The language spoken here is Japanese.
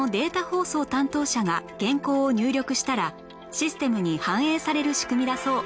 放送担当者が原稿を入力したらシステムに反映される仕組みだそう